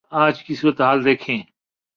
آج کی صورتحال دیکھیں۔